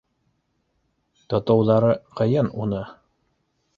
Тотоуҙары ҡыйын уны